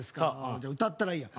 じゃあ歌ったらいいやん。